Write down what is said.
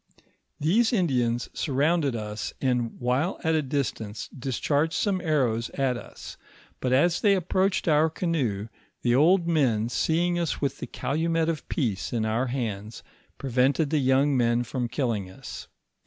These Indians sur rounded us, and while at a distance, discharged some arrows at us ; but as they approached our canoe the old men seeing us with the calumet of peace in our hands, prevented the young men from killing us.